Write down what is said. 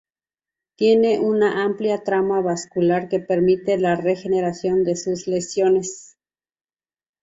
Tienen una amplia trama vascular que permite la regeneración de sus lesiones.